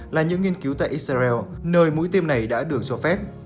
là những nghiên cứu tại israel nơi mũi tiêm này đã được cho phép